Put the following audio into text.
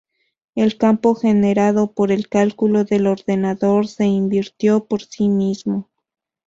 El campo generado por el cálculo del ordenador se invirtió por sí mismo.